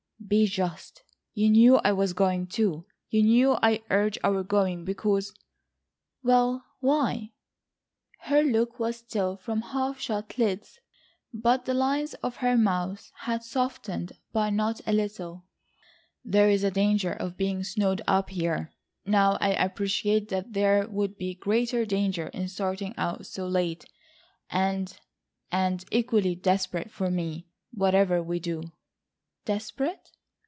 "Be just. You knew I was going too. You knew I urged our going because—" "Well, why?" Her look was still from half shut lids, but the lines of her mouth had softened by not a little. "There is a danger of being snowed up here. Now I appreciate that there would be greater danger in starting out so late. And,—and equally desperate for me, whatever we do." "Desperate?"